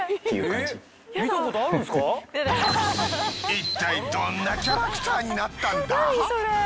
いったいどんなキャラクターになったんだ？